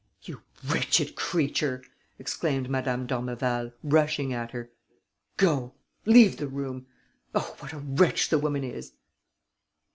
"You wretched creature!" exclaimed madame d'Ormeval, rushing at her. "Go! Leave the room! Oh, what a wretch the woman is!"